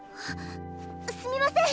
すみません！